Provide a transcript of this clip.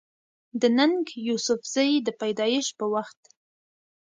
د ننګ يوسفزۍ د پېدايش پۀ وخت